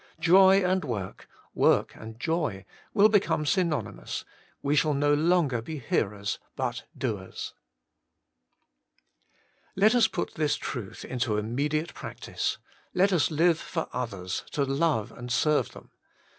Joy and work, work and joy, will become synony mous : we shall no longer be hearers but doers. Let us put this truth into immediate practice. Let us live for others, to love and serve them.